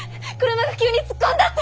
車が急に突っ込んだって。